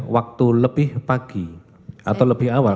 waktu lebih pagi atau lebih awal